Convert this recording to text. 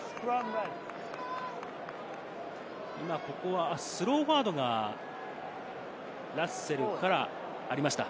ここはスローフォワードがラッセルからありました。